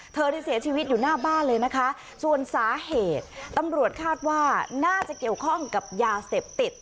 เธอได้เสียชีวิตอยู่หน้าบ้านเลยนะคะส่วนสาเหตุตำรวจคาดว่าน่าจะเกี่ยวข้องกับยาเสพติด